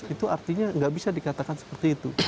itu artinya nggak bisa dikatakan seperti itu